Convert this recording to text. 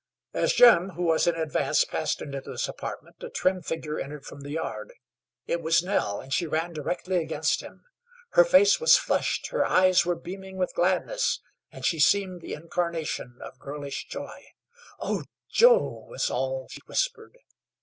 As Jim, who was in advance, passed into this apartment a trim figure entered from the yard. It was Nell, and she ran directly against him. Her face was flushed, her eyes were beaming with gladness, and she seemed the incarnation of girlish joy. "Oh, Joe," was all she whispered.